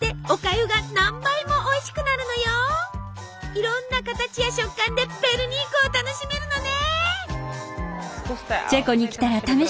いろんな形や食感でペルニークを楽しめるのね。